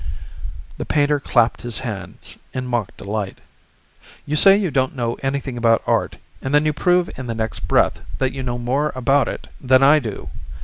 The painter clapped his hands in mock delight. "You say you don't know anything about art, and then you prove in the next breath that you know more about it than I do!